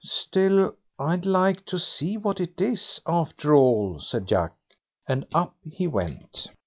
"Still, I'd like to see what it is, after all", said Jack; and up he went.